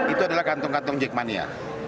itu adalah kantong kantong jackmania